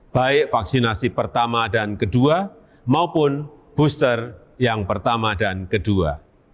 baik vaksinasi pertama dan kedua maupun booster yang pertama dan kedua